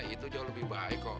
itu jauh lebih baik kok